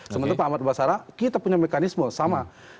sementara pak ahmad basara kita punya mekanisme sama